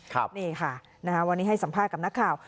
นี่ค่ะวันนี้ให้สัมภาษณ์กับนักข่าว